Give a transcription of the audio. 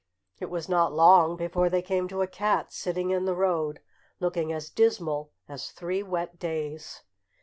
It was not long before they came to a cat sitting in the road, looking as dismal as three wet days.